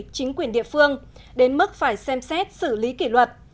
chính quyền địa phương đến mức phải xem xét xử lý kỷ luật